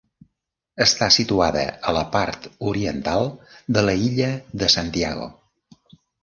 Està situada a la part oriental de l'illa de Santiago.